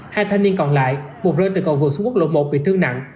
hai thanh niên còn lại một rơi từ cầu vực xuống quốc lộ một bị thương nặng